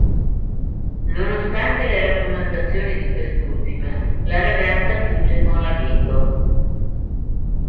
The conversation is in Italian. Nonostante le raccomandazioni di quest'ultima la ragazza fugge con l'amico.